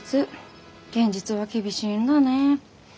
現実は厳しいんだね。